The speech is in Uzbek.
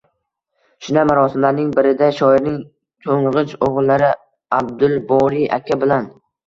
Shunday marosimlarning birida shoirning to’ng’ich o’g’illari Abdulboriy aka bilan